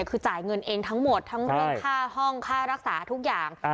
คือจ่ายเงินเองทั้งหมดทั้งเรื่องค่าห้องค่ารักษาทุกอย่าง